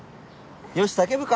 よし叫ぶか！